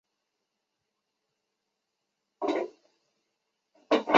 直隶曲周县人。